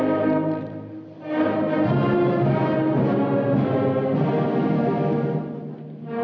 rohaniwan dimohon kembali ke tempat semula